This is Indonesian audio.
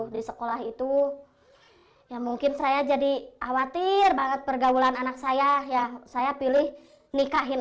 di sekolah itu ya mungkin saya jadi khawatir banget pergaulan anak saya ya saya pilih nikahin